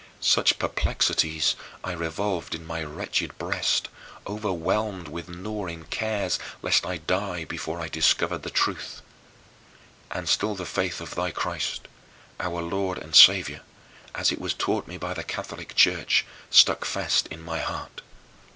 Such perplexities I revolved in my wretched breast, overwhelmed with gnawing cares lest I die before I discovered the truth. And still the faith of thy Christ, our Lord and Saviour, as it was taught me by the Catholic Church, stuck fast in my heart.